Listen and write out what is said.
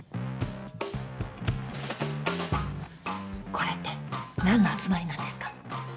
これって何の集まりなんですか？